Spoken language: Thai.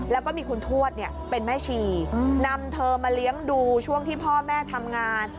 แล้วก็มีคุณทวดเป็นแม่ชีนำเธอมาเลี้ยงดูช่วงที่พ่อแม่ทำงาน